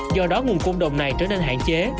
do đó nguồn cung đồng này trở nên hạn chế